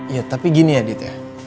iya tapi gini ya dit ya